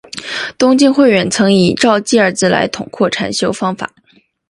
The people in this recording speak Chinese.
东晋慧远曾以照寂二字来统括禅修方法。